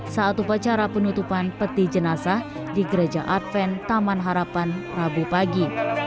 saat upacara penutupan peti jenazah di gereja adven taman harapan rabu pagi